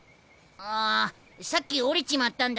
あさっき折れちまったんだな。